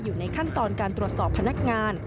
อยู่ในขั้นตอนการตรวจสอบพนักงาน